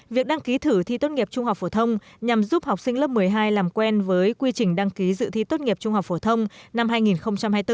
việc đăng ký thử thi tốt nghiệp trung học phổ thông nhằm giúp học sinh lớp một mươi hai làm quen với quy trình đăng ký dự thi tốt nghiệp trung học phổ thông năm hai nghìn hai mươi bốn